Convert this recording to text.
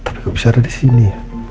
tapi kok bisa ada di sini